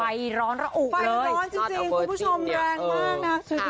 ร้อนระอุไฟร้อนจริงคุณผู้ชมแรงมากนะ